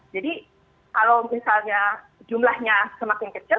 jadi kalau misalnya jumlahnya semakin kecil